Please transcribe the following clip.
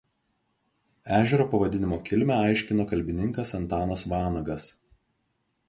Ežero pavadinimo kilmę aiškino kalbininkas Antanas Vanagas.